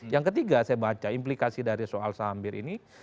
yang ketiga saya baca implikasi dari soal saham bir ini